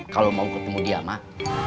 kalau mau ketemu dia mah